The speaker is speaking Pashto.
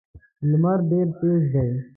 لمر ډېر تېز دی.